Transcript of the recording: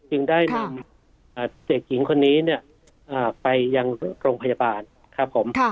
จึงได้นำเด็กหญิงคนนี้เนี่ยไปยังโรงพยาบาลครับผม